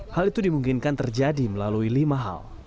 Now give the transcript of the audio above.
hal itu dimungkinkan terjadi melalui lima hal